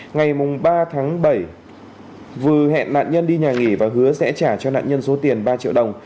ngày ba tháng bảy vừa hẹn nạn nhân đi nhà nghỉ và hứa sẽ trả cho nạn nhân số tiền ba triệu đồng